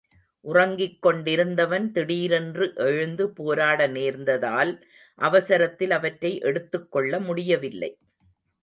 உறங்கிக் கொண்டிருந்தவன் திடீரென்று எழுந்து போராட நேர்ந்ததால், அவசரத்தில் அவற்றை எடுத்துக்கொள்ள முடியவில்லை.